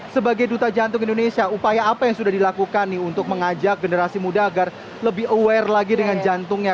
sebagai duta jantung indonesia upaya apa yang sudah dilakukan nih untuk mengajak generasi muda agar lebih aware lagi dengan jantungnya